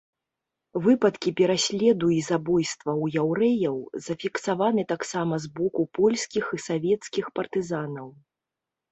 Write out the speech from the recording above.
Выпадкі пераследу і забойстваў яўрэяў зафіксаваны таксама з боку польскіх і савецкіх партызанаў.